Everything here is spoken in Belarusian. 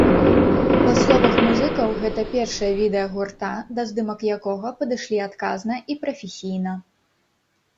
Па словах музыкаў гэта першае відэа гурта, да здымак якога падышлі адказна і прафесійна.